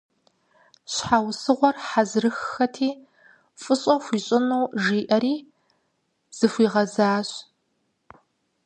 Щхьэусыгъуэр хьэзырыххэти, фӏыщӏэ хуищӏыну жиӏэри, зыхуигъэзащ.